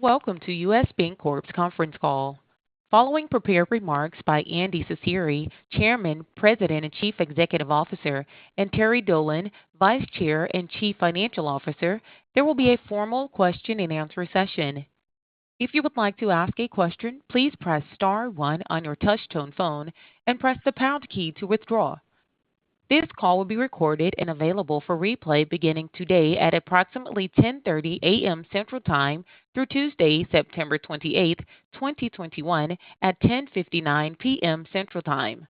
Welcome to U.S. Bancorp's conference call. Following prepared remarks by Andy Cecere, Chairman, President, and Chief Executive Officer, and Terry Dolan, Vice Chair and Chief Financial Officer, there will be a formal question-and-answer session. If you would like to ask a question, please press star one on your touch-tone phone and press the pound key to withdraw. This call will be recorded and available for replay beginning today at approximately 10:30 A.M. Central Time through Tuesday, September 28th, 2021, at 10:59 P.M. Central Time.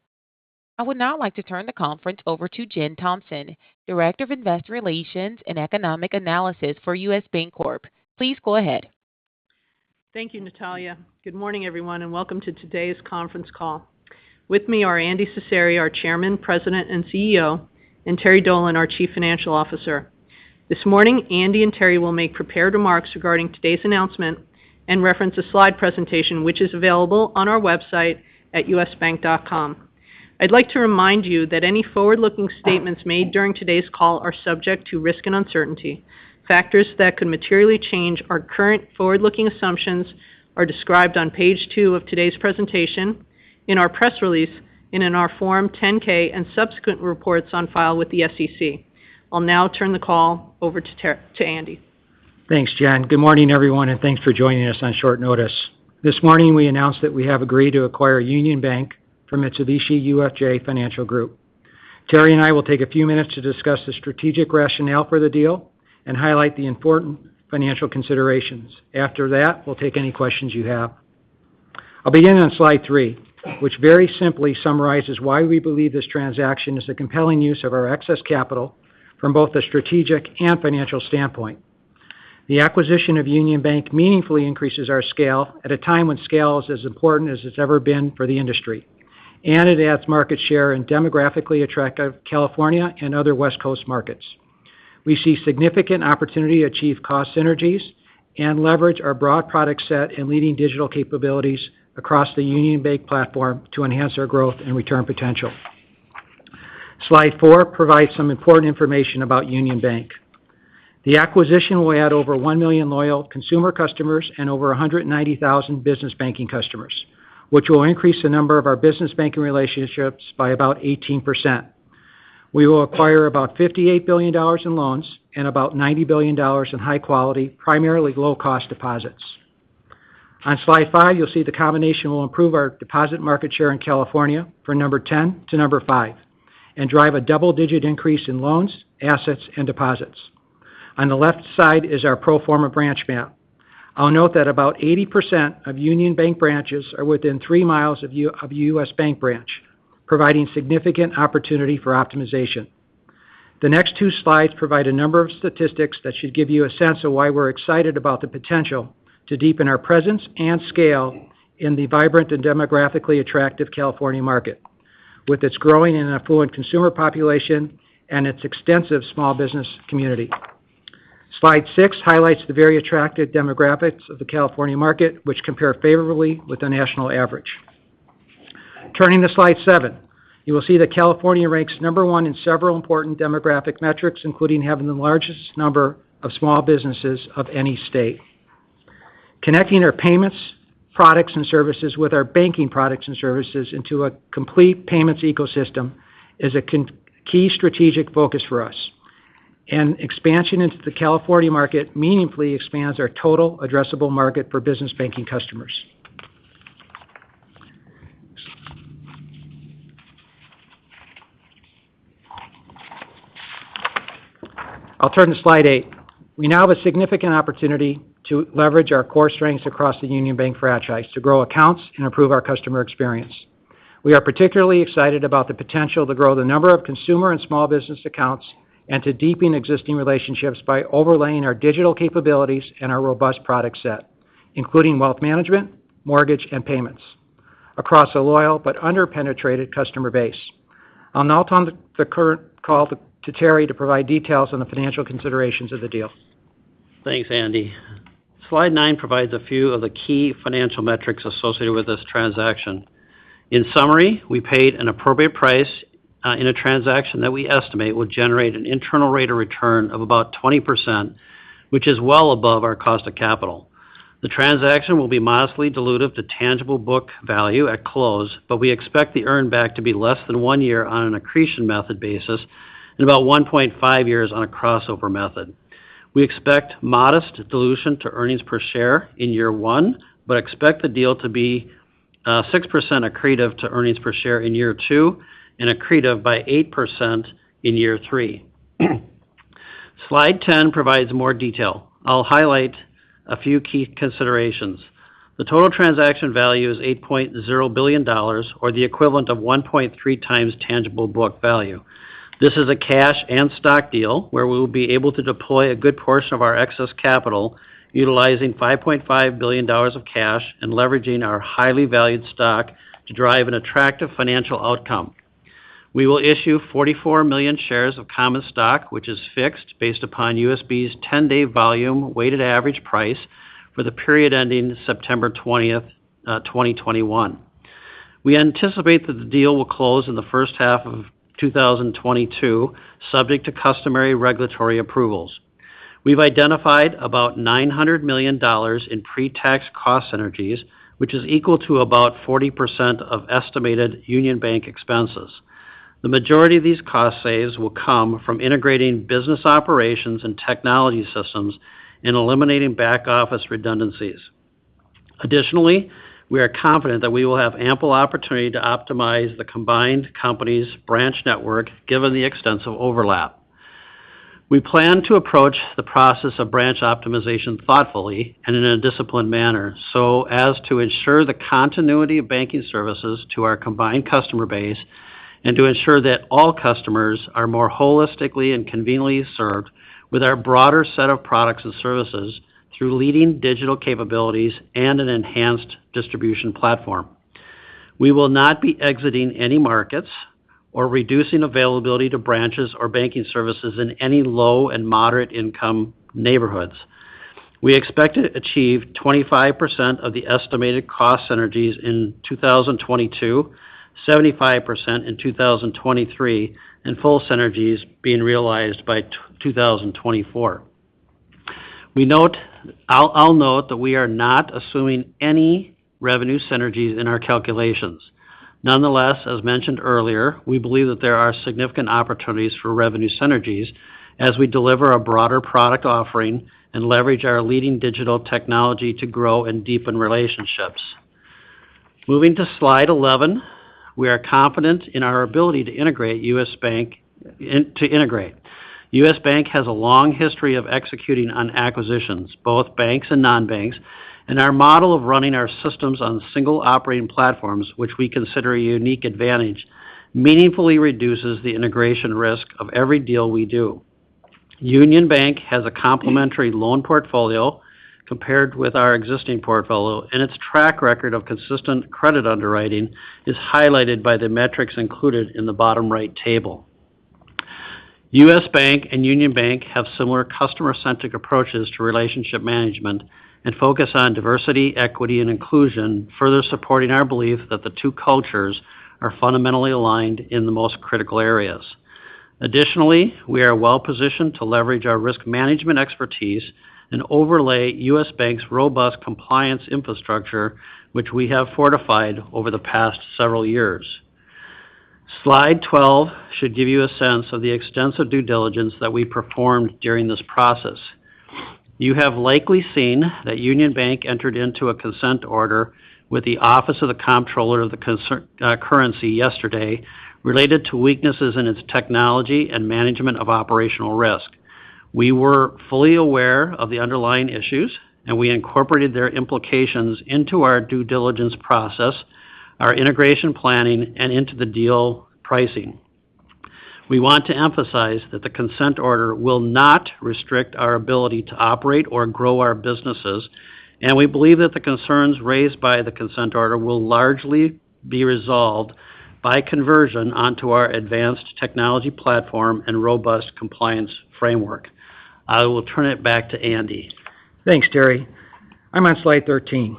I would now like to turn the conference over to Jen Thompson, Director of Investor Relations and Economic Analysis for U.S. Bancorp. Please go ahead. Thank you, Natalia. Good morning, everyone, and welcome to today's conference call. With me are Andy Cecere, our Chairman, President, and CEO, and Terry Dolan, our Chief Financial Officer. This morning, Andy and Terry will make prepared remarks regarding today's announcement and reference a slide presentation which is available on our website at usbank.com. I'd like to remind you that any forward-looking statements made during today's call are subject to risk and uncertainty. Factors that could materially change our current forward-looking assumptions are described on page two of today's presentation, in our press release, and in our Form 10-K and subsequent reports on file with the SEC. I'll now turn the call over to Andy. Thanks, Jen. Good morning, everyone, and thanks for joining us on short notice. This morning, we announced that we have agreed to acquire Union Bank from Mitsubishi UFJ Financial Group. Terry and I will take a few minutes to discuss the strategic rationale for the deal and highlight the important financial considerations. After that, we'll take any questions you have. I'll begin on slide three, which very simply summarizes why we believe this transaction is a compelling use of our excess capital from both a strategic and financial standpoint. The acquisition of Union Bank meaningfully increases our scale at a time when scale is as important as it's ever been for the industry. It adds market share in demographically attractive California and other West Coast markets. We see significant opportunity to achieve cost synergies and leverage our broad product set and leading digital capabilities across the Union Bank platform to enhance our growth and return potential. Slide four provides some important information about Union Bank. The acquisition will add over 1 million loyal consumer customers and over 190,000 business banking customers, which will increase the number of our business banking relationships by about 18%. We will acquire about $58 billion in loans and about $90 billion in high quality, primarily low-cost deposits. On slide five, you'll see the combination will improve our deposit market share in California from number 10 to number 5 and drive a double-digit increase in loans, assets, and deposits. On the left side is our pro forma branch map. I'll note that about 80% of Union Bank branches are within 3 mi of a U.S. Bank branch, providing significant opportunity for optimization. The next two slides provide a number of statistics that should give you a sense of why we're excited about the potential to deepen our presence and scale in the vibrant and demographically attractive California market. With its growing and affluent consumer population and its extensive small business community. Slide six highlights the very attractive demographics of the California market, which compare favorably with the national average. Turning to slide seven, you will see that California ranks number 1 in several important demographic metrics, including having the largest number of small businesses of any state. Connecting our payments, products, and services with our banking products and services into a complete payments ecosystem is a key strategic focus for us. Expansion into the California market meaningfully expands our total addressable market for business banking customers. I'll turn to slide 8. We now have a significant opportunity to leverage our core strengths across the Union Bank franchise to grow accounts and improve our customer experience. We are particularly excited about the potential to grow the number of consumer and small business accounts and to deepen existing relationships by overlaying our digital capabilities and our robust product set, including wealth management, mortgage, and payments across a loyal but under-penetrated customer base. I'll now turn the call to Terry to provide details on the financial considerations of the deal. Thanks, Andy. Slide nine provides a few of the key financial metrics associated with this transaction. In summary, we paid an appropriate price in a transaction that we estimate will generate an internal rate of return of about 20%, which is well above our cost of capital. The transaction will be modestly dilutive to tangible book value at close, but we expect the earnback to be less than one year on an accretion method basis and about 1.5 years on a crossover method. We expect modest dilution to earnings per share in year one, but expect the deal to be 6% accretive to earnings per share in year two and accretive by 8% in year three. Slide 10 provides more detail. I will highlight a few key considerations. The total transaction value is $8.0 billion, or the equivalent of 1.3x tangible book value. This is a cash and stock deal where we will be able to deploy a good portion of our excess capital utilizing $5.5 billion of cash and leveraging our highly valued stock to drive an attractive financial outcome. We will issue 44 million shares of common stock, which is fixed based upon USB's 10-day volume weighted average price for the period ending September 20th, 2021. We anticipate that the deal will close in the first half of 2022, subject to customary regulatory approvals. We've identified about $900 million in pre-tax cost synergies, which is equal to about 40% of estimated Union Bank expenses. The majority of these cost saves will come from integrating business operations and technology systems and eliminating back-office redundancies. Additionally, we are confident that we will have ample opportunity to optimize the combined company's branch network, given the extensive overlap. We plan to approach the process of branch optimization thoughtfully and in a disciplined manner so as to ensure the continuity of banking services to our combined customer base and to ensure that all customers are more holistically and conveniently served with our broader set of products and services through leading digital capabilities and an enhanced distribution platform. We will not be exiting any markets or reducing availability to branches or banking services in any low and moderate-income neighborhoods. We expect to achieve 25% of the estimated cost synergies in 2022, 75% in 2023, and full synergies being realized by 2024. I'll note that we are not assuming any revenue synergies in our calculations. Nonetheless, as mentioned earlier, we believe that there are significant opportunities for revenue synergies as we deliver a broader product offering and leverage our leading digital technology to grow and deepen relationships. Moving to slide 11. We are confident in our ability to integrate. U.S. Bank has a long history of executing on acquisitions, both banks and non-banks, and our model of running our systems on single operating platforms, which we consider a unique advantage, meaningfully reduces the integration risk of every deal we do. Union Bank has a complementary loan portfolio compared with our existing portfolio, and its track record of consistent credit underwriting is highlighted by the metrics included in the bottom-right table. U.S. Bank and Union Bank have similar customer-centric approaches to relationship management and focus on diversity, equity, and inclusion, further supporting our belief that the two cultures are fundamentally aligned in the most critical areas. Additionally, we are well-positioned to leverage our risk management expertise and overlay U.S. Bank's robust compliance infrastructure, which we have fortified over the past several years. Slide 12 should give you a sense of the extensive due diligence that we performed during this process. You have likely seen that Union Bank entered into a consent order with the Office of the Comptroller of the Currency yesterday related to weaknesses in its technology and management of operational risk. We were fully aware of the underlying issues, and we incorporated their implications into our due diligence process, our integration planning, and into the deal pricing. We want to emphasize that the consent order will not restrict our ability to operate or grow our businesses, and we believe that the concerns raised by the consent order will largely be resolved by conversion onto our advanced technology platform and robust compliance framework. I will turn it back to Andy. Thanks, Terry. I'm on slide 13.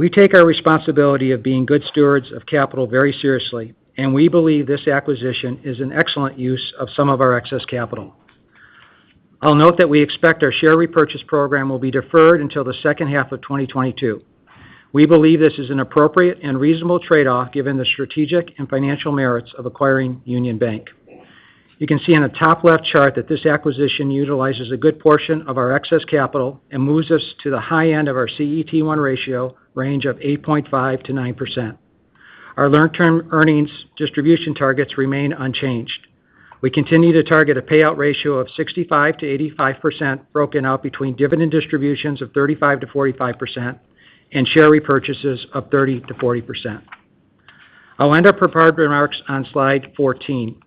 We take our responsibility of being good stewards of capital very seriously, and we believe this acquisition is an excellent use of some of our excess capital. I'll note that we expect our share repurchase program will be deferred until the second half of 2022. We believe this is an appropriate and reasonable trade-off given the strategic and financial merits of acquiring Union Bank. You can see on the top-left chart that this acquisition utilizes a good portion of our excess capital and moves us to the high end of our CET1 ratio range of 8.5%-9%. Our long-term earnings distribution targets remain unchanged. We continue to target a payout ratio of 65%-85%, broken out between dividend distributions of 35%-45% and share repurchases of 30%-40%. I'll end our prepared remarks on slide 14.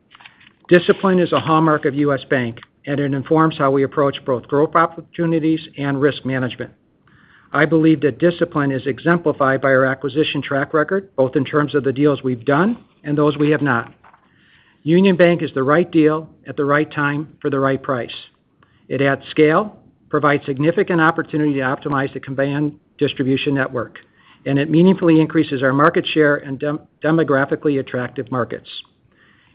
Discipline is a hallmark of U.S. Bank, and it informs how we approach both growth opportunities and risk management. I believe that discipline is exemplified by our acquisition track record, both in terms of the deals we've done and those we have not. Union Bank is the right deal at the right time for the right price. It adds scale, provides significant opportunity to optimize the combined distribution network, and it meaningfully increases our market share in demographically attractive markets.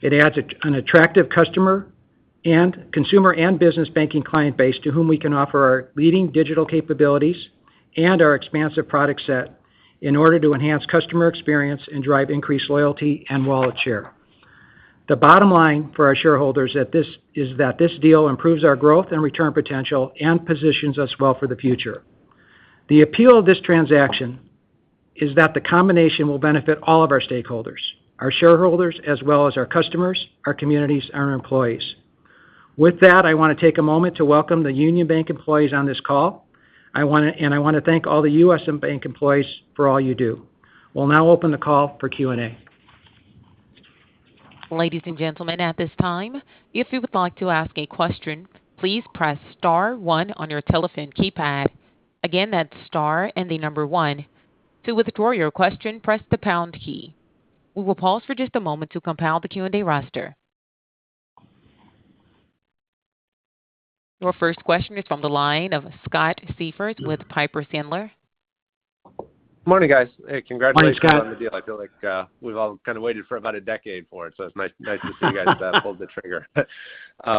It adds an attractive customer and consumer and business banking client base to whom we can offer our leading digital capabilities and our expansive product set in order to enhance customer experience and drive increased loyalty and wallet share. The bottom line for our shareholders is that this deal improves our growth and return potential and positions us well for the future. The appeal of this transaction is that the combination will benefit all of our stakeholders, our shareholders, as well as our customers, our communities, and our employees. I want to take a moment to welcome the Union Bank employees on this call. I want to thank all the U.S. Bank employees for all you do. We'll now open the call for Q&A. Ladies and gentlemen, at this time, if you would like to ask a question, please press star one on your telephone keypad. Again, that's star and the number one. To withdraw your question, press the pound key. We will pause for just a moment to compile the Q&A roster. Your first question is from the line of Scott Siefers with Piper Sandler. Morning, guys. Morning, Scott. Hey, congratulations on the deal. I feel like we've all kind of waited for about a decade for it, so it's nice to see you guys pull the trigger. I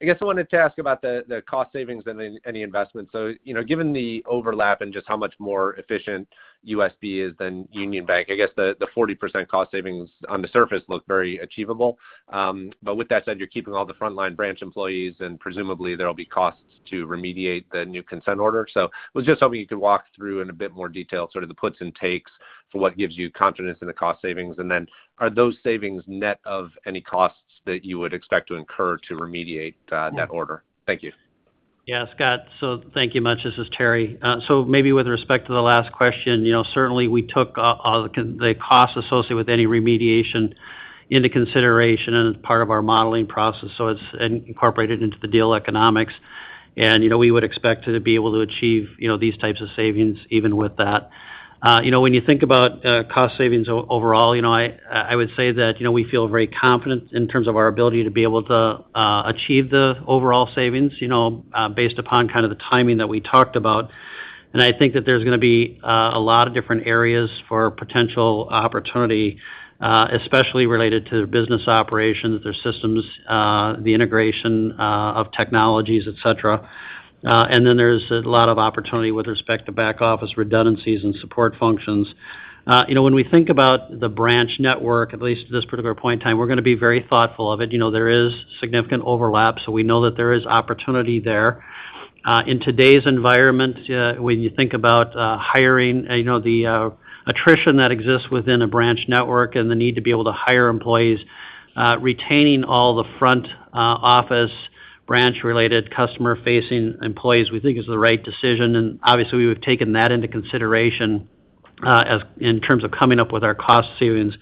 guess I wanted to ask about the cost savings and any investment. Given the overlap and just how much more efficient USB is than Union Bank, I guess the 40% cost savings on the surface look very achievable. With that said, you're keeping all the frontline branch employees, and presumably, there'll be costs to remediate the new consent order. I was just hoping you could walk through in a bit more detail the puts and takes for what gives you confidence in the cost savings, and then are those savings net of any costs that you would expect to incur to remediate that order? Thank you. Yeah, Scott. Thank you much. This is Terry. Maybe with respect to the last question, certainly we took all the costs associated with any remediation into consideration and as part of our modeling process, so it's incorporated into the deal economics. We would expect to be able to achieve these types of savings even with that. When you think about cost savings overall, I would say that we feel very confident in terms of our ability to be able to achieve the overall savings based upon the timing that we talked about. I think that there's going to be a lot of different areas for potential opportunity, especially related to their business operations, their systems, the integration of technologies, et cetera. There's a lot of opportunity with respect to back office redundancies and support functions. When we think about the branch network, at least at this particular point in time, we're going to be very thoughtful of it. There is significant overlap, so we know that there is opportunity there. In today's environment, when you think about hiring, the attrition that exists within a branch network and the need to be able to hire employees, retaining all the front office branch-related customer-facing employees, we think is the right decision. Obviously, we've taken that into consideration in terms of coming up with our cost savings.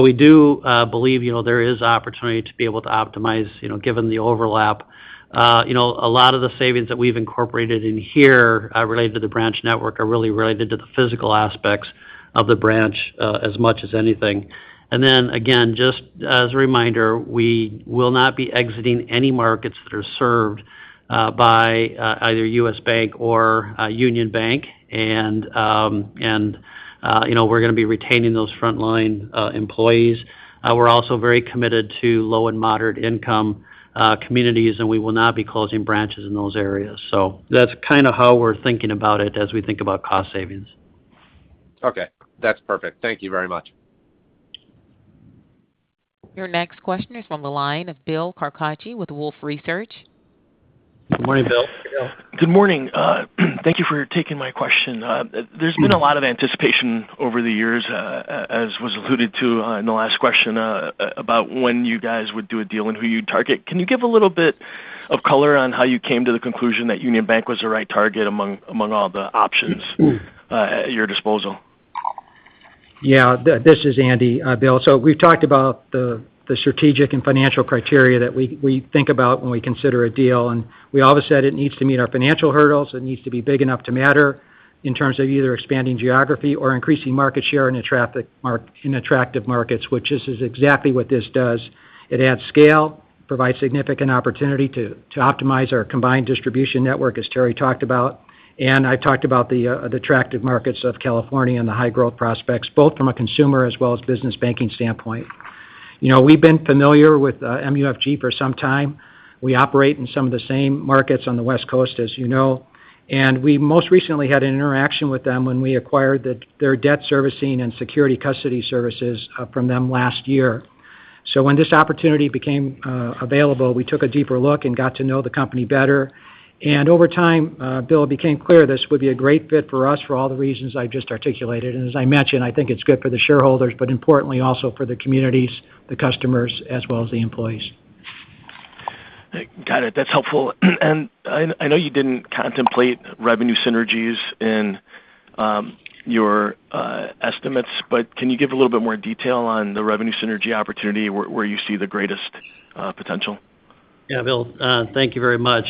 We do believe there is opportunity to be able to optimize given the overlap. A lot of the savings that we've incorporated in here related to the branch network are really related to the physical aspects of the branch as much as anything. Again, just as a reminder, we will not be exiting any markets that are served by either U.S. Bank or Union Bank. We're going to be retaining those frontline employees. We're also very committed to low and moderate income communities, and we will not be closing branches in those areas. That's kind of how we're thinking about it as we think about cost savings. Okay. That's perfect. Thank you very much. Your next question is from the line of Bill Carcache with Wolfe Research. Morning, Bill. Good morning. Thank you for taking my question. There's been a lot of anticipation over the years, as was alluded to in the last question, about when you guys would do a deal and who you'd target. Can you give a little bit of color on how you came to the conclusion that Union Bank was the right target among all the options at your disposal? Yeah. This is Andy, Bill. We've talked about the strategic and financial criteria that we think about when we consider a deal, and we always said it needs to meet our financial hurdles, it needs to be big enough to matter in terms of either expanding geography or increasing market share in attractive markets, which this is exactly what this does. It adds scale, provides significant opportunity to optimize our combined distribution network, as Terry talked about. I talked about the attractive markets of California and the high growth prospects, both from a consumer as well as business banking standpoint. We've been familiar with MUFG for some time. We operate in some of the same markets on the West Coast, as you know. We most recently had an interaction with them when we acquired their debt servicing and security custody services from them last year. When this opportunity became available, we took a deeper look and got to know the company better. Over time, Bill, it became clear this would be a great fit for us for all the reasons I've just articulated. As I mentioned, I think it's good for the shareholders, but importantly also for the communities, the customers, as well as the employees. Got it. That's helpful. I know you didn't contemplate revenue synergies in your estimates, can you give a little bit more detail on the revenue synergy opportunity, where you see the greatest potential? Bill, thank you very much.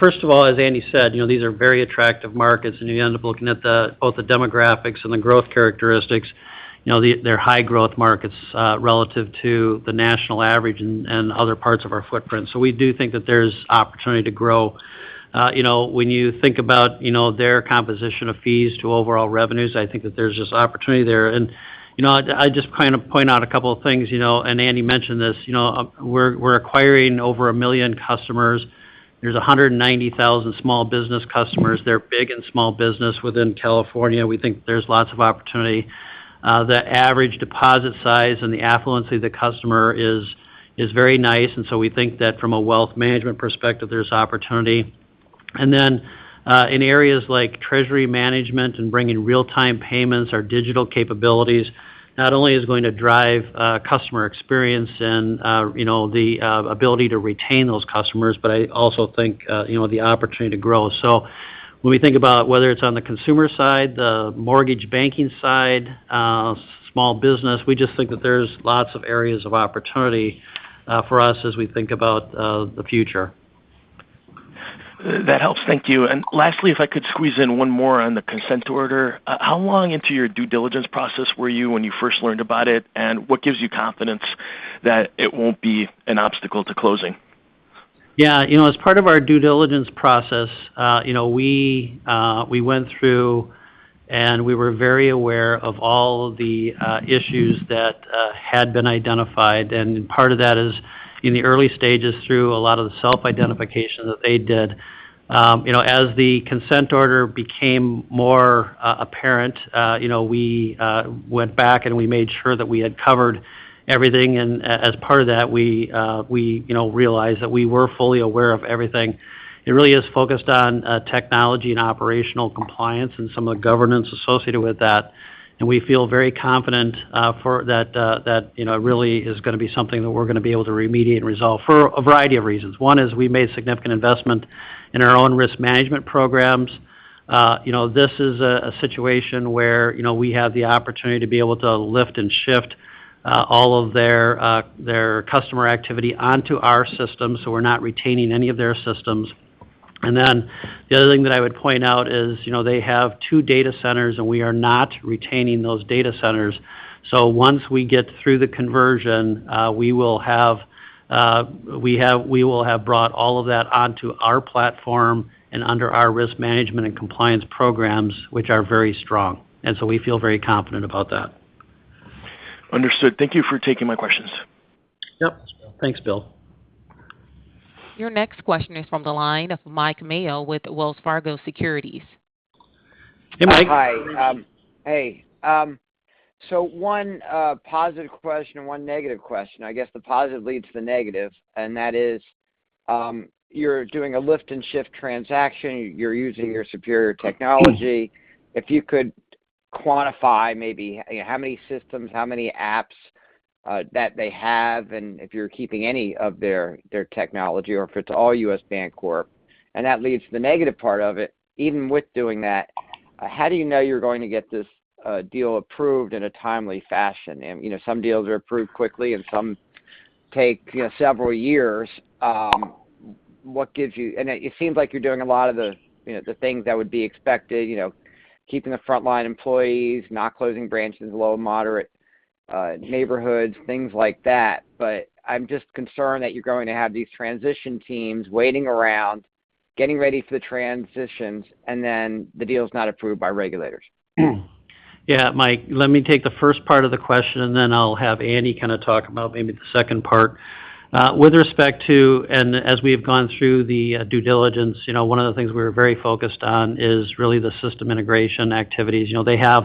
First of all, as Andy said, these are very attractive markets, and you end up looking at both the demographics and the growth characteristics. They're high growth markets relative to the national average and other parts of our footprint. We do think that there's opportunity to grow. When you think about their composition of fees to overall revenues, I think that there's just opportunity there. I just kind of point out a couple of things, and Andy mentioned this. We're acquiring over 1 million customers. There's 190,000 small business customers. They're big and small business within California. We think there's lots of opportunity. The average deposit size and the affluency of the customer is very nice. We think that from a wealth management perspective, there's opportunity. In areas like treasury management and bringing real-time payments, our digital capabilities, not only is going to drive customer experience and the ability to retain those customers, but I also think the opportunity to grow. When we think about whether it's on the consumer side, the mortgage banking side, small business, we just think that there's lots of areas of opportunity for us as we think about the future. That helps. Thank you. Lastly, if I could squeeze in one more on the consent order. How long into your due diligence process were you when you first learned about it, and what gives you confidence that it won't be an obstacle to closing? Yeah. As part of our due diligence process, we went through and we were very aware of all the issues that had been identified. Part of that is in the early stages through a lot of the self-identification that they did. As the consent order became more apparent, we went back, and we made sure that we had covered everything. As part of that, we realized that we were fully aware of everything. It really is focused on technology and operational compliance and some of the governance associated with that. We feel very confident that really is going to be something that we're going to be able to remediate and resolve for a variety of reasons. One is we've made significant investment in our own risk management programs. This is a situation where we have the opportunity to be able to lift and shift all of their customer activity onto our systems. We're not retaining any of their systems. The other thing that I would point out is they have two data centers, and we are not retaining those data centers. Once we get through the conversion, we will have brought all of that onto our platform and under our risk management and compliance programs, which are very strong. We feel very confident about that. Understood. Thank you for taking my questions. Yep. Thanks, Bill. Your next question is from the line of Mike Mayo with Wells Fargo Securities. Hey, Mike. Hi. Hey. One positive question and one negative question. I guess the positive leads to the negative, and that is, you're doing a lift and shift transaction. You're using your superior technology. If you could quantify maybe how many systems, how many apps that they have, and if you're keeping any of their technology, or if it's all U.S. Bancorp. That leads to the negative part of it. Even with doing that, how do you know you're going to get this deal approved in a timely fashion? Some deals are approved quickly, and some take several years. It seems like you're doing a lot of the things that would be expected, keeping the frontline employees, not closing branches, low, moderate neighborhoods, things like that. I'm just concerned that you're going to have these transition teams waiting around, getting ready for the transitions, and then the deal's not approved by regulators. Yeah, Mike, let me take the first part of the question, and then I'll have Andy kind of talk about maybe the second part. With respect to, and as we've gone through the due diligence, one of the things we're very focused on is really the system integration activities. They have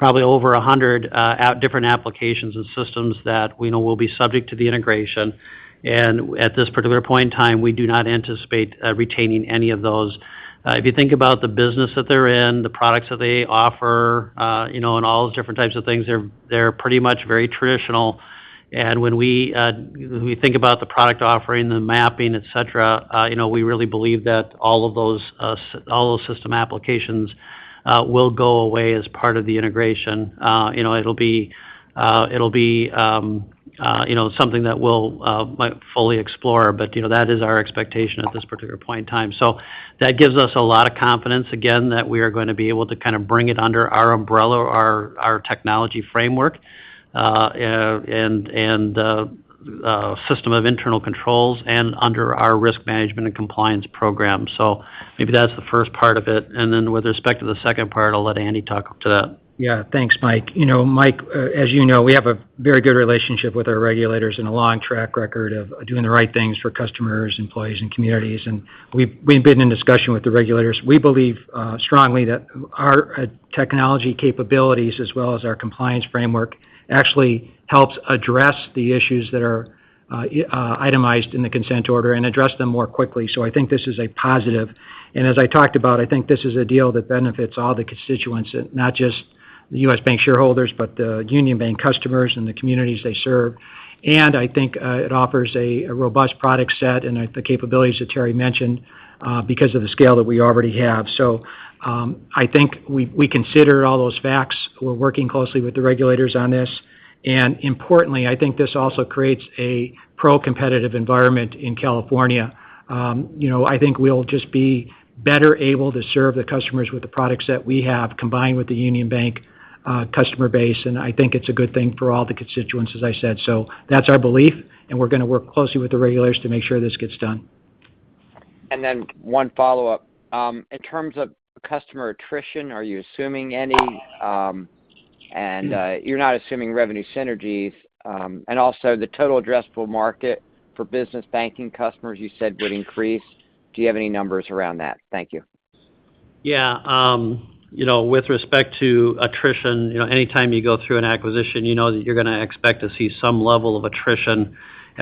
probably over 100 different applications and systems that we know will be subject to the integration. At this particular point in time, we do not anticipate retaining any of those. If you think about the business that they're in, the products that they offer, and all those different types of things, they're pretty much very traditional. When we think about the product offering, the mapping, et cetera, we really believe that all of those system applications will go away as part of the integration. It'll be something that we'll fully explore, but that is our expectation at this particular point in time. That gives us a lot of confidence, again, that we are going to be able to kind of bring it under our umbrella, our technology framework, and system of internal controls and under our risk management and compliance program. Maybe that's the first part of it. With respect to the second part, I'll let Andy talk to that. Yeah. Thanks, Mike. Mike, as you know, we have a very good relationship with our regulators and a long track record of doing the right things for customers, employees, and communities. We've been in discussion with the regulators. We believe strongly that our technology capabilities as well as our compliance framework actually helps address the issues that are itemized in the consent order and address them more quickly. I think this is a positive. As I talked about, I think this is a deal that benefits all the constituents, not just the U.S. Bank shareholders, but the Union Bank customers and the communities they serve. I think it offers a robust product set and the capabilities that Terry mentioned because of the scale that we already have. I think we consider all those facts. We're working closely with the regulators on this. Importantly, I think this also creates a pro-competitive environment in California. I think we'll just be better able to serve the customers with the products that we have combined with the Union Bank customer base, and I think it's a good thing for all the constituents, as I said. That's our belief, and we're going to work closely with the regulators to make sure this gets done. One follow-up. In terms of customer attrition, are you assuming any? You're not assuming revenue synergies. The total addressable market for business banking customers you said would increase. Do you have any numbers around that? Thank you. Yeah. With respect to attrition, you know that you're going to expect to see some level of attrition.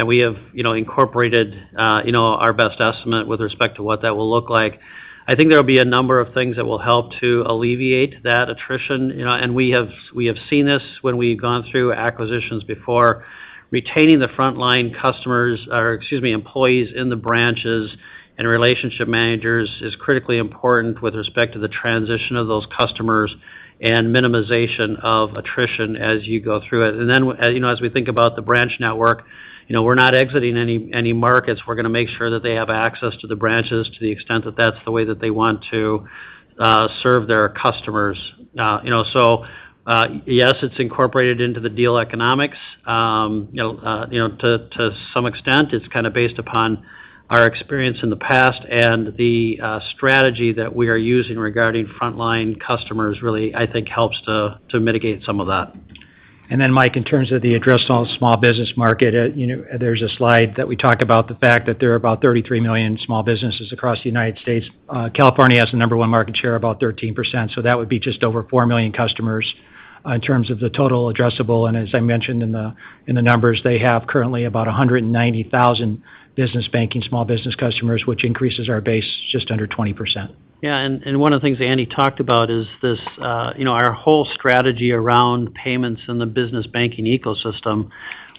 We have incorporated our best estimate with respect to what that will look like. I think there will be a number of things that will help to alleviate that attrition. We have seen this when we've gone through acquisitions before. Retaining the frontline customers, or excuse me, employees in the branches and relationship managers is critically important with respect to the transition of those customers and minimization of attrition as you go through it. As we think about the branch network, we're not exiting any markets. We're going to make sure that they have access to the branches to the extent that that's the way that they want to serve their customers. Yes, it's incorporated into the deal economics. To some extent, it's kind of based upon our experience in the past and the strategy that we are using regarding frontline customers really, I think, helps to mitigate some of that. Mike, in terms of the addressable small business market, there's a slide that we talk about the fact that there are about 33 million small businesses across the U.S. California has the number one market share, about 13%. That would be just over 4 million customers in terms of the total addressable. As I mentioned in the numbers, they have currently about 190,000 business banking small business customers, which increases our base just under 20%. Yeah. One of the things Andy talked about is our whole strategy around payments in the business banking ecosystem.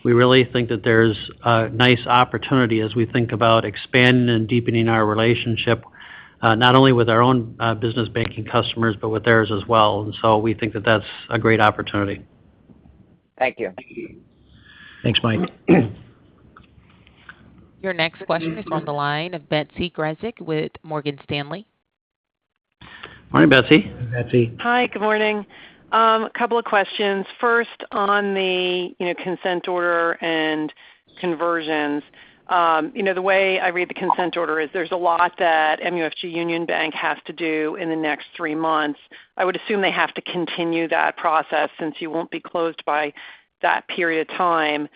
We really think that there's a nice opportunity as we think about expanding and deepening our relationship, not only with our own business banking customers, but with theirs as well. We think that that's a great opportunity. Thank you. Thanks, Mike. Your next question is on the line of Betsy Graseck with Morgan Stanley. Morning, Betsy. Betsy. Hi, good morning. Couple of questions. On the consent order and conversions. The way I read the consent order is there's a lot that MUFG Union Bank has to do in the next three months. I would assume they have to continue that process since you won't be closed by that period of time.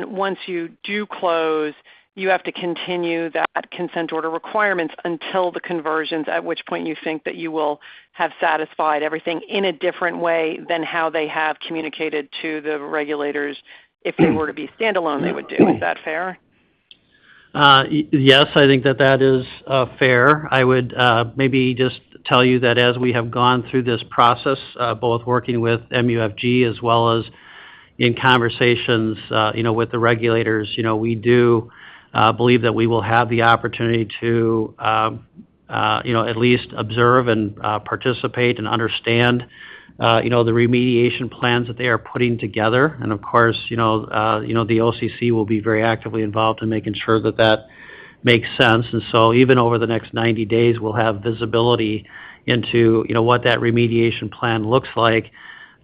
Once you do close, you have to continue that consent order requirements until the conversions, at which point you think that you will have satisfied everything in a different way than how they have communicated to the regulators if they were to be standalone, they would do. Is that fair? Yes, I think that that is fair. I would maybe just tell you that as we have gone through this process, both working with MUFG as well as in conversations with the regulators, we do believe that we will have the opportunity to at least observe and participate and understand the remediation plans that they are putting together. Of course, the OCC will be very actively involved in making sure that that makes sense. So even over the next 90 days, we'll have visibility into what that remediation plan looks like.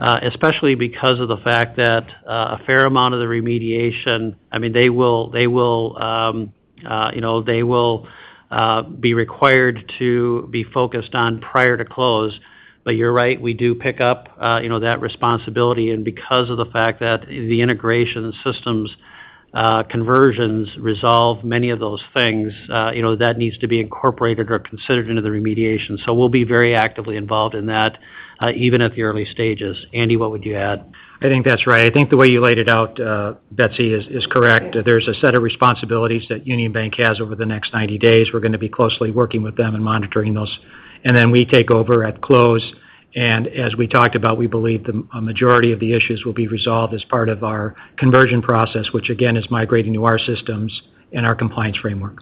Especially because of the fact that a fair amount of the remediation, they will be required to be focused on prior to close. You're right, we do pick up that responsibility. Because of the fact that the integration systems conversions resolve many of those things, that needs to be incorporated or considered into the remediation. We'll be very actively involved in that, even at the early stages. Andy, what would you add? I think that's right. I think the way you laid it out, Betsy, is correct. There's a set of responsibilities that Union Bank has over the next 90 days. We're going to be closely working with them and monitoring those. We take over at close, and as we talked about, we believe the majority of the issues will be resolved as part of our conversion process, which again, is migrating to our systems and our compliance framework.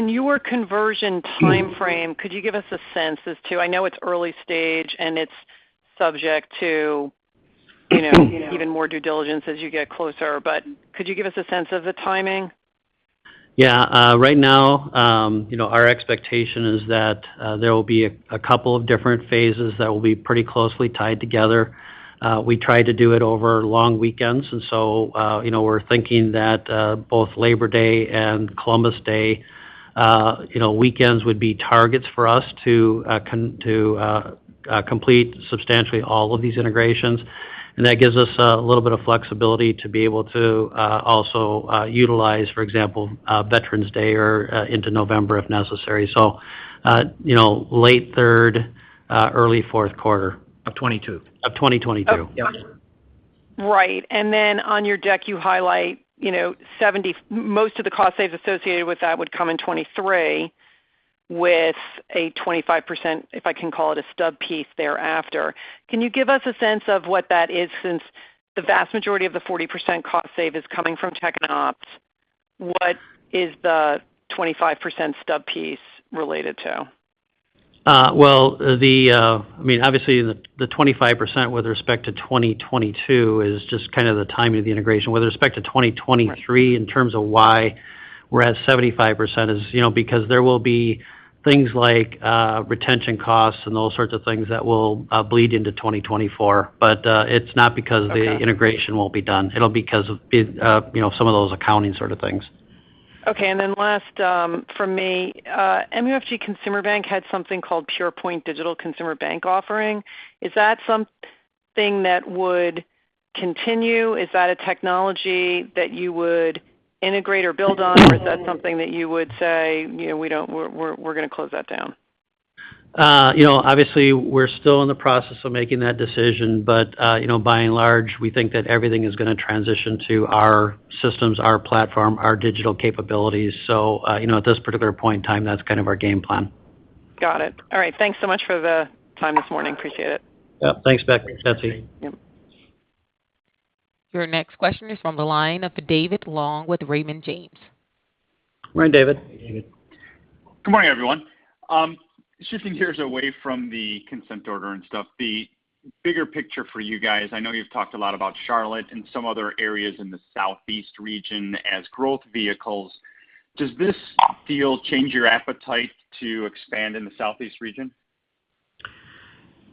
In your conversion timeframe, could you give us a sense as to, I know it's early stage and it's subject to even more due diligence as you get closer, but could you give us a sense of the timing? Yeah. Right now, our expectation is that there will be two different phases that will be pretty closely tied together. We try to do it over long weekends. We're thinking that both Labor Day and Columbus Day weekends would be targets for us to complete substantially all of these integrations. That gives us a little bit of flexibility to be able to also utilize, for example, Veterans Day or into November if necessary. Late third, early fourth quarter. Of 2022. Of 2022. Yeah. Right. Then on your deck, you highlight most of the cost saves associated with that would come in 2023 with a 25%, if I can call it a stub piece thereafter. Can you give us a sense of what that is since the vast majority of the 40% cost save is coming from tech and ops, what is the 25% stub piece related to? Well, obviously the 25% with respect to 2022 is just kind of the timing of the integration. With respect to 2023 in terms of why we're at 75% is because there will be things like retention costs and those sorts of things that will bleed into 2024. It's not because the integration won't be done. It'll be because of some of those accounting sort of things. Okay. Last from me, MUFG Union Bank had something called PurePoint Financial digital consumer bank offering. Is that something that would continue? Is that a technology that you would integrate or build on? Is that something that you would say, "We're going to close that down"? Obviously we're still in the process of making that decision, but by and large, we think that everything is going to transition to our systems, our platform, our digital capabilities. At this particular point in time, that's kind of our game plan. Got it. All right. Thanks so much for the time this morning. Appreciate it. Yeah. Thanks, Betsy. Yep. Your next question is from the line of David Long with Raymond James. Morning, David. David. Good morning, everyone. Shifting gears away from the consent order and stuff, the bigger picture for you guys, I know you've talked a lot about Charlotte and some other areas in the Southeast region as growth vehicles. Does this deal change your appetite to expand in the Southeast region?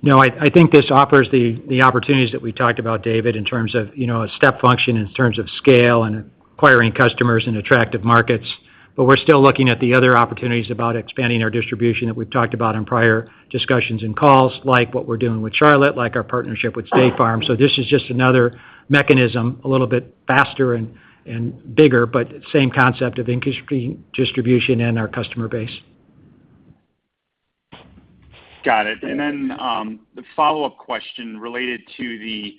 No, I think this offers the opportunities that we talked about, David, in terms of a step function, in terms of scale and acquiring customers in attractive markets. We're still looking at the other opportunities about expanding our distribution that we've talked about in prior discussions and calls, like what we're doing with Charlotte, like our partnership with State Farm. This is just another mechanism, a little bit faster and bigger, but same concept of industry distribution and our customer base. Got it. The follow-up question related to the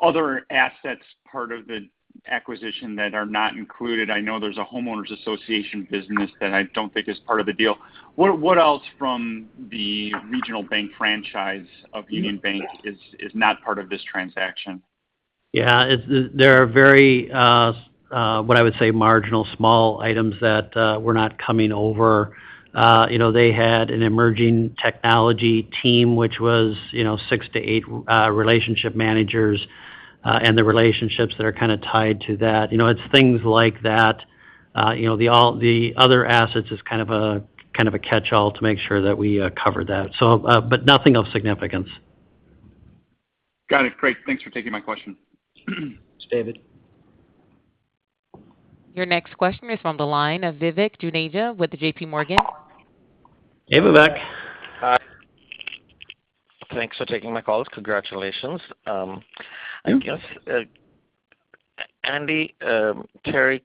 other assets part of the acquisition that are not included. I know there's a homeowners association business that I don't think is part of the deal. What else from the regional bank franchise of Union Bank is not part of this transaction? Yeah. There are very, what I would say, marginal small items that were not coming over. They had an emerging technology team, which was six to eight relationship managers, and the relationships that are kind of tied to that. It's things like that. The other assets is kind of a catchall to make sure that we cover that. Nothing of significance. Got it. Great. Thanks for taking my question. Thanks, David. Your next question is from the line of Vivek Juneja with JPMorgan. Hey, Vivek. Hi. Thanks for taking my call. Congratulations. Thank you. Andy, Terry,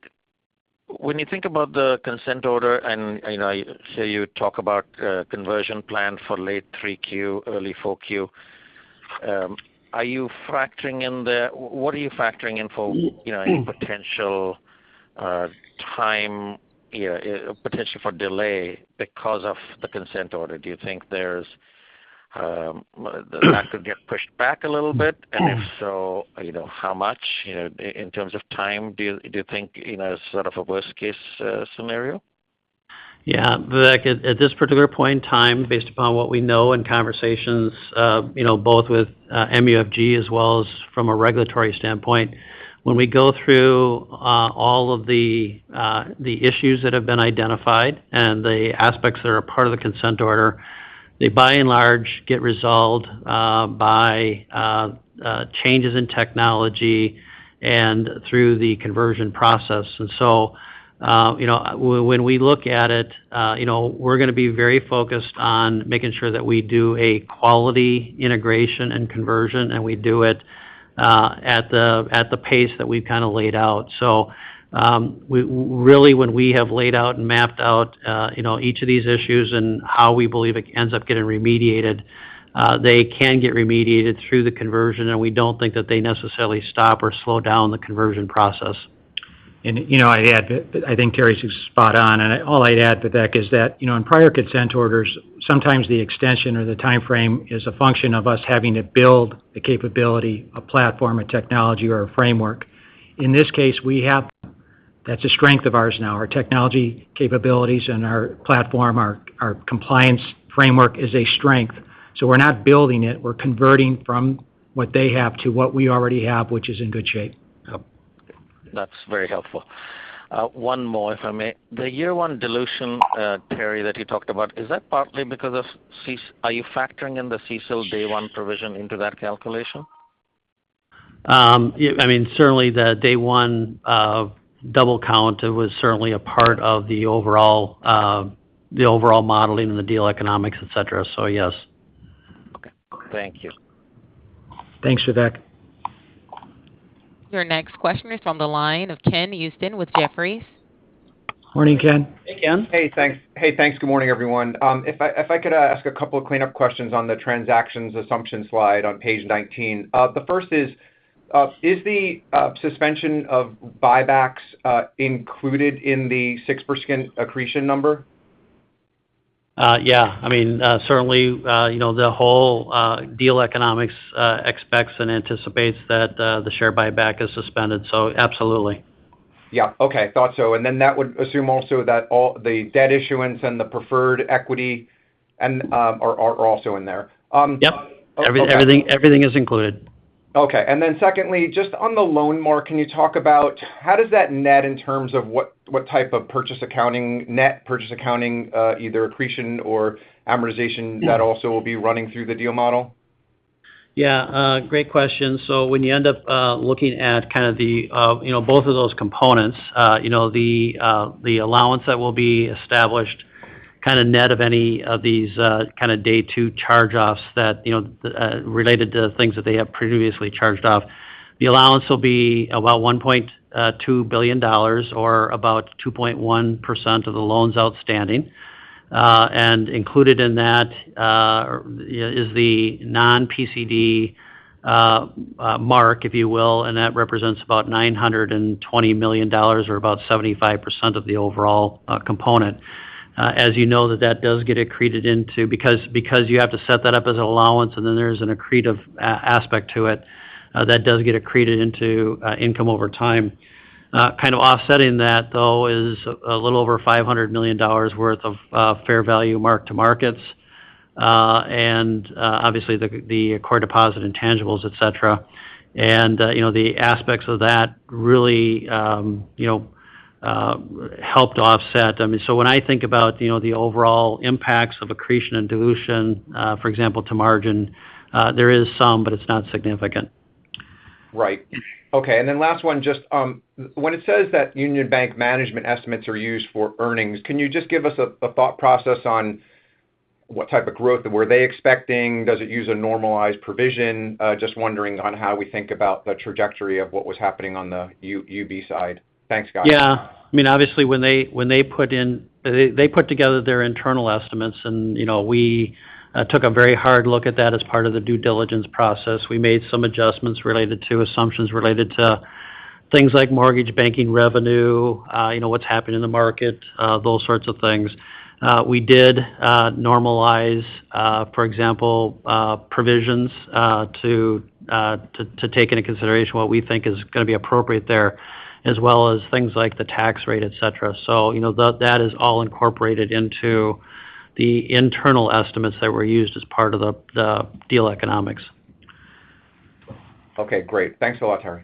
when you think about the consent order, I hear you talk about conversion plan for late 3Q, early 4Q, what are you factoring in for any potential time, potential for delay because of the consent order? Do you think that could get pushed back a little bit? If so, how much in terms of time do you think in a sort of a worst-case scenario? Vivek, at this particular point in time, based upon what we know in conversations both with MUFG as well as from a regulatory standpoint, when we go through all of the issues that have been identified and the aspects that are a part of the consent order, they by and large get resolved by changes in technology and through the conversion process. When we look at it, we're going to be very focused on making sure that we do a quality integration and conversion, and we do it at the pace that we've kind of laid out. Really when we have laid out and mapped out each of these issues and how we believe it ends up getting remediated, they can get remediated through the conversion, and we don't think that they necessarily stop or slow down the conversion process. I think Terry's spot on, and all I'd add to that is that in prior consent orders, sometimes the extension or the timeframe is a function of us having to build the capability, a platform, a technology or a framework. In this case, we have. That's a strength of ours now. Our technology capabilities and our platform, our compliance framework is a strength. We're not building it. We're converting from what they have to what we already have, which is in good shape. Yep. That's very helpful. One more, if I may. The year 1 dilution, Terry, that you talked about, is that partly because of CECL? Are you factoring in the CECL day 1 provision into that calculation? Certainly the day one double count was certainly a part of the overall modeling and the deal economics, et cetera. Yes. Okay. Thank you. Thanks, Vivek. Your next question is on the line of Ken Usdin with Jefferies. Morning, Ken. Hey, Ken. Hey, thanks. Good morning, everyone. If I could ask a couple of cleanup questions on the transactions assumption slide on page 19. The first is the suspension of buybacks included in the 6% accretion number? Yeah. Certainly, the whole deal economics expects and anticipates that the share buyback is suspended. Absolutely. Yeah. Okay. Thought so. That would assume also that all the debt issuance and the preferred equity are also in there. Yep. Okay. Everything is included. Okay. Then secondly, just on the loan mark, can you talk about how does that net in terms of what type of purchase accounting, net purchase accounting, either accretion or amortization that also will be running through the deal model? Yeah. Great question. When you end up looking at kind of both of those components, the allowance that will be established kind of net of any of these kind of day 2 charge-offs that related to things that they have previously charged off. The allowance will be about $1.2 billion or about 2.1% of the loans outstanding. Included in that is the non-PCD mark, if you will, and that represents about $920 million or about 75% of the overall component. As you know that does get accreted into because you have to set that up as an allowance and then there's an accretive aspect to it that does get accreted into income over time. Kind of offsetting that, though, is a little over $500 million worth of fair value mark-to-markets, and obviously the core deposit intangibles, et cetera, and the aspects of that really helped offset. When I think about the overall impacts of accretion and dilution, for example, to margin, there is some, but it's not significant. Right. Okay, last one. When it says that Union Bank management estimates are used for earnings, can you just give us a thought process on what type of growth were they expecting? Does it use a normalized provision? Just wondering on how we think about the trajectory of what was happening on the UB side. Thanks, guys. Obviously, they put together their internal estimates, we took a very hard look at that as part of the due diligence process. We made some adjustments related to assumptions, related to things like mortgage banking revenue, what's happening in the market, those sorts of things. We did normalize, for example, provisions to take into consideration what we think is going to be appropriate there, as well as things like the tax rate, et cetera. That is all incorporated into the internal estimates that were used as part of the deal economics. Okay, great. Thanks a lot, Terry.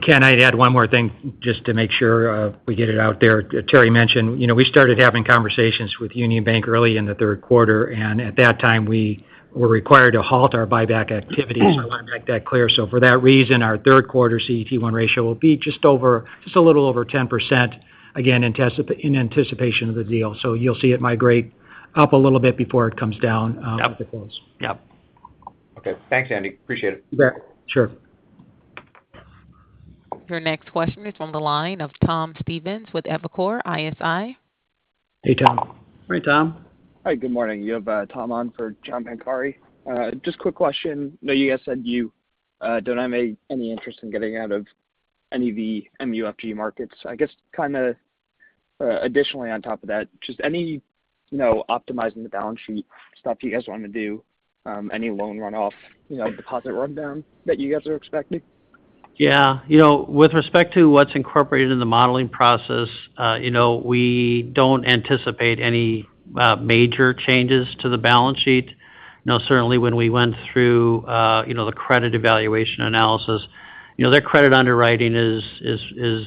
Ken, I would add one more thing just to make sure we get it out there. Terry mentioned we started having conversations with Union Bank early in the third quarter, at that time, we were required to halt our buyback activities. I want to make that clear. For that reason, our third quarter CET1 ratio will be just a little over 10%, again, in anticipation of the deal. You'll see it migrate up a little bit before it comes down at the close. Okay. Thanks, Andy. Appreciate it. You bet. Sure. Your next question is on the line of Tom Stevens with Evercore ISI. Hey, Tom. Hey, Tom. Hi, good morning. You have Tom on for John Pancari. Just quick question? You guys said you don't have any interest in getting out of any of the MUFG markets. Additionally on top of that, just any optimizing the balance sheet stuff you guys want to do, any loan runoff, deposit rundown that you guys are expecting? Yeah. With respect to what's incorporated in the modeling process, we don't anticipate any major changes to the balance sheet. Certainly when we went through the credit evaluation analysis, their credit underwriting is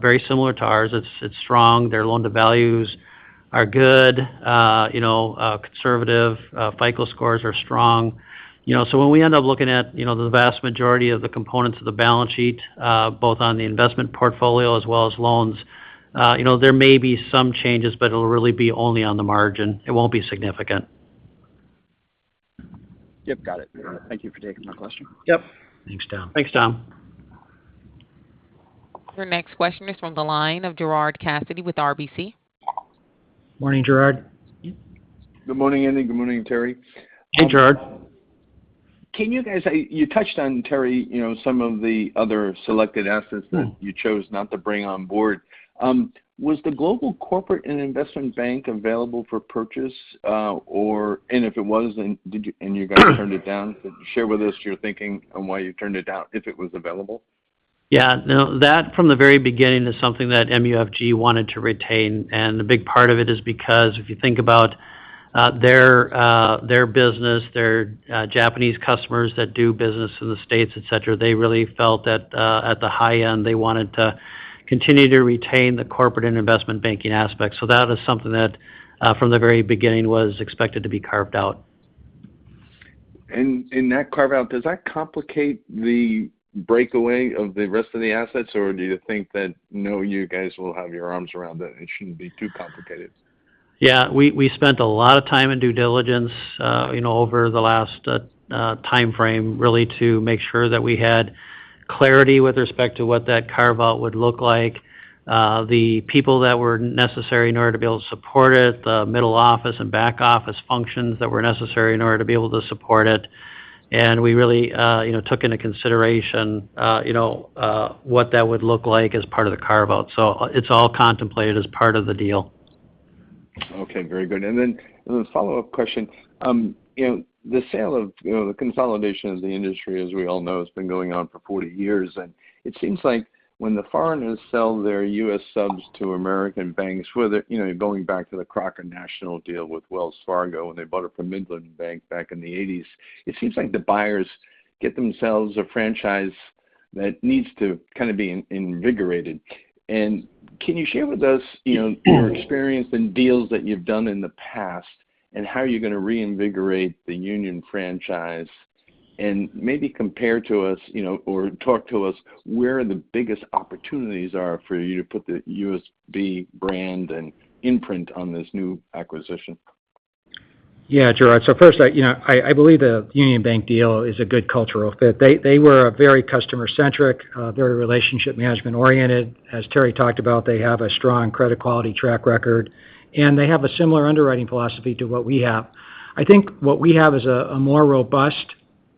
very similar to ours. It's strong. Their loan devalues are good, conservative, FICO scores are strong. When we end up looking at the vast majority of the components of the balance sheet, both on the investment portfolio as well as loans, there may be some changes, but it'll really be only on the margin. It won't be significant. Yep, got it. Got it. Thank you for taking my question. Yep. Thanks, Tom. Thanks, Tom. Your next question is from the line of Gerard Cassidy with RBC. Morning, Gerard. Good morning, Andy. Good morning, Terry. Hey, Gerard. You touched on, Terry, some of the other selected assets that you chose not to bring on board. Was the global corporate and investment bank available for purchase? If it was, and you guys turned it down, could you share with us your thinking on why you turned it down if it was available? Yeah, no. That from the very beginning is something that MUFG wanted to retain, and a big part of it is because if you think about their business, their Japanese customers that do business in the U.S., et cetera, they really felt that at the high end, they wanted to continue to retain the corporate and investment banking aspect. That is something that from the very beginning was expected to be carved out. That carve-out, does that complicate the breakaway of the rest of the assets, or do you think that, no, you guys will have your arms around it shouldn't be too complicated? Yeah. We spent a lot of time in due diligence over the last time frame really to make sure that we had clarity with respect to what that carve-out would look like. The people that were necessary in order to be able to support it, the middle office and back office functions that were necessary in order to be able to support it. We really took into consideration what that would look like as part of the carve-out. It's all contemplated as part of the deal. Okay. Very good. Then a follow-up question. The consolidation of the industry, as we all know, has been going on for 40 years. It seems like when the foreigners sell their U.S. subs to American banks, going back to the Crocker National deal with Wells Fargo when they bought it from Midland Bank back in the 1980s, it seems like the buyers get themselves a franchise that needs to kind of be invigorated. Can you share with us your experience in deals that you've done in the past, and how you're going to reinvigorate the Union franchise? Maybe compare to us, or talk to us where the biggest opportunities are for you to put the USB brand and imprint on this new acquisition. Yeah, Gerard. First, I believe the Union Bank deal is a good cultural fit. They were very customer-centric, very relationship management oriented. As Terry talked about, they have a strong credit quality track record, and they have a similar underwriting philosophy to what we have. I think what we have is a more robust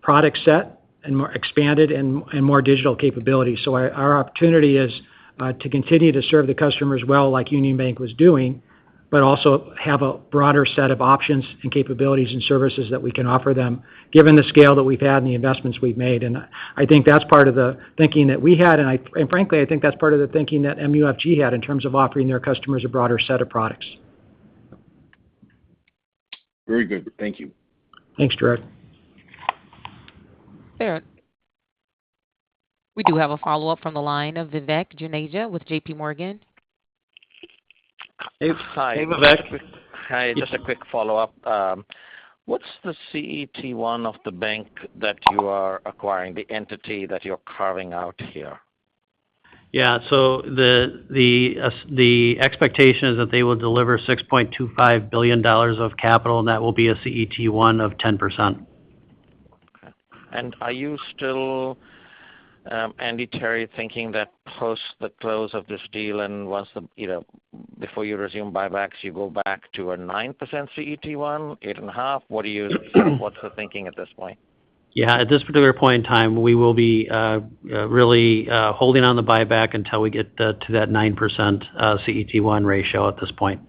product set and more expanded and more digital capability. Our opportunity is to continue to serve the customers well like Union Bank was doing, but also have a broader set of options and capabilities and services that we can offer them given the scale that we've had and the investments we've made. I think that's part of the thinking that we had, and frankly, I think that's part of the thinking that MUFG had in terms of offering their customers a broader set of products. Very good. Thank you. Thanks, Gerard. Derek. We do have a follow-up from the line of Vivek Juneja with JPMorgan. Hey, Vivek. Hi. Just a quick follow-up. What's the CET1 of the bank that you are acquiring, the entity that you're carving out here? Yeah. The expectation is that they will deliver $6.25 billion of capital, and that will be a CET1 of 10%. Okay. Are you still, Andy, Terry, thinking that post the close of this deal and before you resume buybacks, you go back to a 9% CET1, 8.5%? What's the thinking at this point? Yeah. At this particular point in time, we will be really holding on the buyback until we get to that 9% CET1 ratio at this point.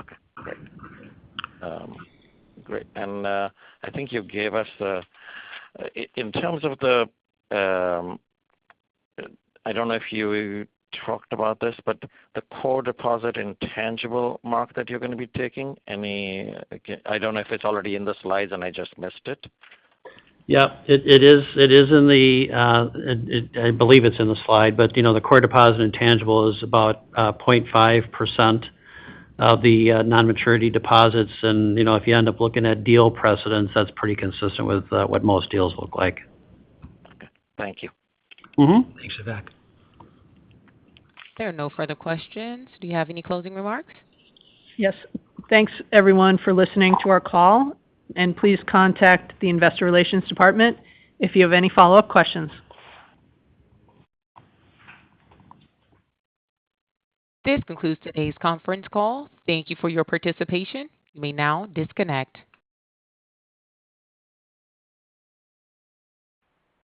Okay, great. Great. I don't know if you talked about this, but the core deposit intangible mark that you're going to be taking. I don't know if it's already in the slides and I just missed it. Yeah. I believe it's in the slide, but the core deposit intangible is about 0.5% of the non-maturity deposits. If you end up looking at deal precedents, that's pretty consistent with what most deals look like. Okay. Thank you. Thanks, Vivek. There are no further questions. Do you have any closing remarks? Yes. Thanks everyone for listening to our call. Please contact the investor relations department if you have any follow-up questions. This concludes today's conference call. Thank you for your participation. You may now disconnect.